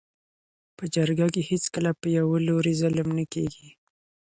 . په جرګه کي هیڅکله په یوه لوري ظلم نه کيږي.